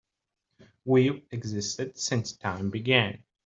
We've existed since time began.